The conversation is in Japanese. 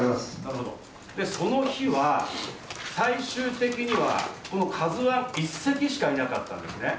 その日は最終的には「ＫＡＺＵⅠ」１隻しかいなかったんですね。